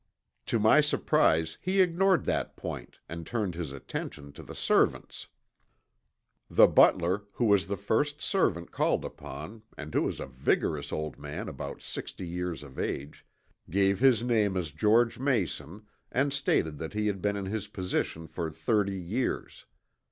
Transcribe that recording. To my surprise he ignored that point and turned his attention to the servants. The butler, who was the first servant called upon and who was a vigorous old man about sixty years of age, gave his name as George Mason and stated that he had been in his position for thirty years.